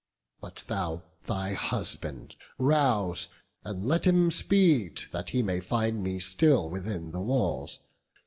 But thou thy husband rouse, and let him speed, That he may find me still within the walls.